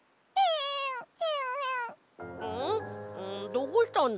どうしたんだ？